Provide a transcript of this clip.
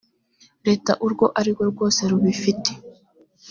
leta urwo ari rwo rwose rubifite